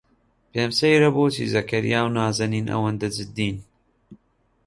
پێم سەیرە بۆچی زەکەریا و نازەنین ئەوەندە جددین.